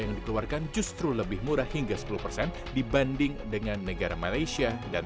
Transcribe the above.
delapan juta dolar pengusaha di luar negeri sudah untung